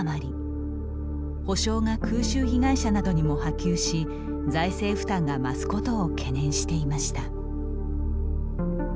補償が空襲被害者などにも波及し財政負担が増すことを懸念していました。